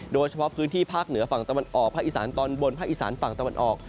โดยเฉพาะพื้นที่ภาคเหนือฝั่งตะวันออกภาคอีสานตอนบนภาคอีสานฝั่งตะวันออก